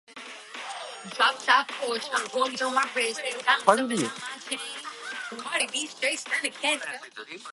Brown was a classic boxer and a knockout puncher.